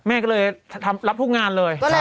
แม่ก็เลยรับทุกงานเลย